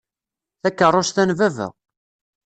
Takeṛṛust-a n baba.